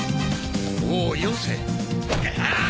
もうよせ。